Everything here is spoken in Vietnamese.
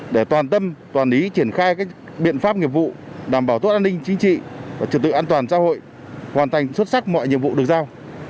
để toàn tâm toàn ý triển khai các biện pháp nghiệp vụ đảm bảo tốt an ninh chính trị và trật tự an toàn xã hội hoàn thành xuất sắc mọi nhiệm vụ được giao